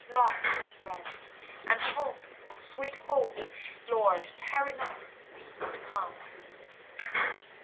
_Love, rest, and home! Sweet hope! Lord, tarry not, but come.